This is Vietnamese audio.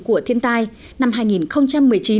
của thiên tai năm hai nghìn một mươi chín